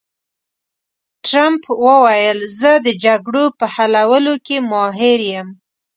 ټرمپ وویل، زه د جګړو په حلولو کې ماهر یم.